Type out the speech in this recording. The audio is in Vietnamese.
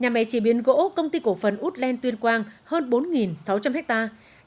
nhà máy chế biến gỗ công ty cổ phần út len tuyên quang hơn bốn sáu trăm linh hectare